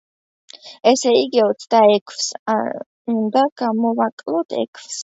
ესე იგი, ოცდაექვსს უნდა გამოვაკლოთ ექვსი.